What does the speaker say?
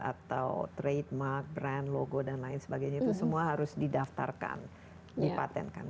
atau trademark brand logo dan lain sebagainya itu semua harus didaftarkan dipatenkan